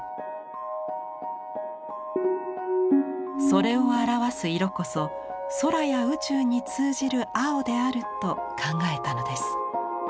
それを表す色こそ空や宇宙に通じる青であると考えたのです。